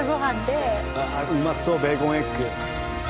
うまそうベーコンエッグ。